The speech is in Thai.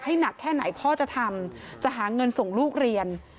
หนักแค่ไหนพ่อจะทำจะหาเงินส่งลูกเรียน